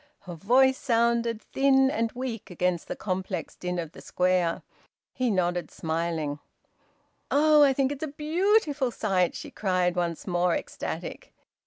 Her voice sounded thin and weak against the complex din of the Square. He nodded, smiling. "Oh! I think it's a beautiful sight!" she cried once more, ecstatic.